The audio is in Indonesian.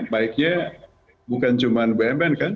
baiknya bukan cuma bumn kan